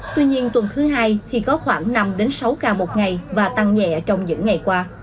tuy nhiên tuần thứ hai thì có khoảng năm sáu ca một ngày và tăng nhẹ trong những ngày qua